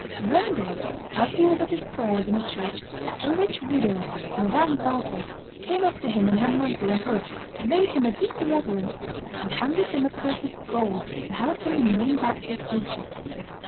One day, as he was at his prayers in a church, a rich widow, Madame Walther, came up to him in her mantle and hood, made him a deep reverence, and handed him a purse of gold to help him in winning back his duchy.